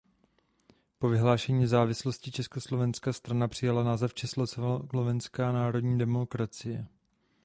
Po vyhlášení nezávislosti Československa strana přijala název Československá národní demokracie.